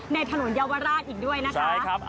ในถนนเยาวราชอีกด้วยนะคะ